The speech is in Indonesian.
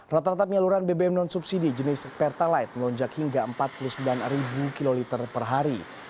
rata rata penyaluran bbm non subsidi jenis pertalite melonjak hingga empat puluh sembilan kiloliter per hari